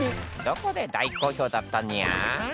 どこで大好評だったにゃー？